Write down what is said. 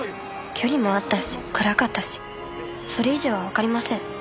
距離もあったし暗かったしそれ以上はわかりません。